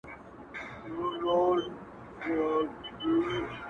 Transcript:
د زړه په تل کي مي زخمونه اوس په چا ووینم!